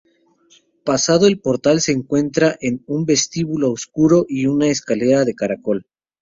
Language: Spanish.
Pasado el portal se encuentra un vestíbulo oscuro y una escalera de caracol.